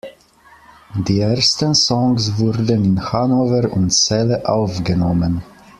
Die ersten Songs wurden in Hannover und Celle aufgenommen.